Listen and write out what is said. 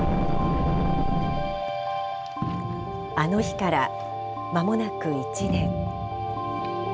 あの日からまもなく１年。